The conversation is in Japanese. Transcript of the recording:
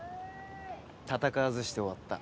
戦わずして終わった。